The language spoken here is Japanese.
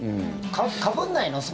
かぶんないの？